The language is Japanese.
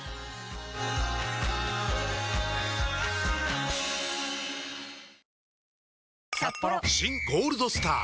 本麒麟「新ゴールドスター」！